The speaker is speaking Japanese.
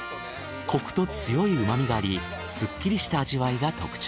コクと強いうま味がありすっきりした味わいが特徴。